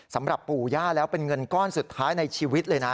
สำหรับปู่ย่าแล้วเป็นเงินก้อนสุดท้ายในชีวิตเลยนะ